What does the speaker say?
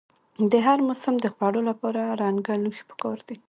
د هر موسم د خوړو لپاره رنګه لوښي پکار دي.